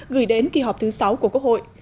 gửi đến kỳ họp thứ sáu của quốc hội